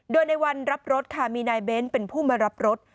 โดยในวันรับรถค่ะมีนายเบ้นเป็นผู้มารับรถ